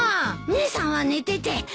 姉さんは寝てて。